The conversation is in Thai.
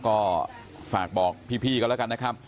ก็ฝากบอกพี่กันแล้วกันนะครับ